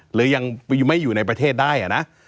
หรือยังไม่อยู่ในประเทศได้นะ